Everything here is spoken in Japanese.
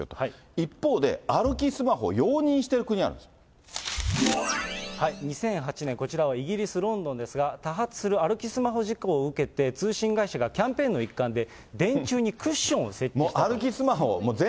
一方で歩きスマホを容２００８年、こちらはイギリス・ロンドンですが、多発する歩きスマホ事故を受けて、通信会社がキャンペーンの一環で、電柱にクッションを設置したんです。